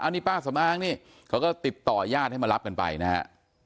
นี่ป้าสำอางนี่เขาก็ติดต่อญาติให้มารับกันไปนะฮะ